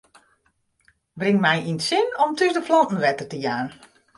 Bring my yn it sin om thús de planten wetter te jaan.